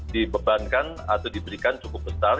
dibebankan atau diberikan cukup besar